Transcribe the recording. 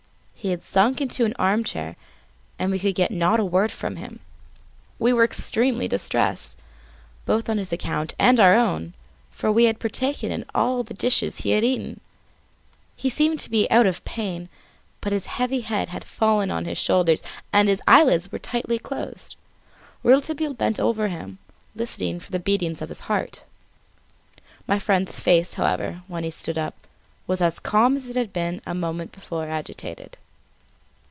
He had sunk into an armchair and we could get not a word from him. We were extremely distressed, both on his account and on our own, for we had partaken of all the dishes he had eaten. He seemed to be out of pain; but his heavy head had fallen on his shoulder and his eyelids were tightly closed. Rouletabille bent over him, listening for the beatings of the heart. My friend's face, however, when he stood up, was as calm as it had been a moment before agitated.